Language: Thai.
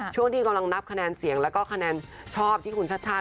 ช่วงที่กำลังนับคะแนนเสียงแล้วก็คะแนนชอบที่คุณชาติชาติ